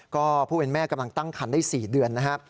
ก็ผู้เป็นแม่กำลังตั้งคันได้๔เดือนนะครับ